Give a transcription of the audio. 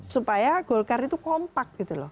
supaya golkar itu kompak